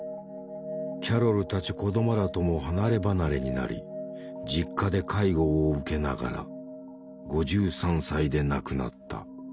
キャロルたち子どもらとも離れ離れになり実家で介護を受けながら５３歳で亡くなった。